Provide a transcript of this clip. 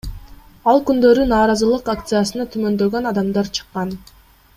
Ал күндөрү нааразылык акциясына түмөндөгөн адамдар чыккан.